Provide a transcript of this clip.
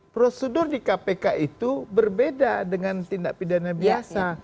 prosedur di kpk itu berbeda dengan tindak pidana biasa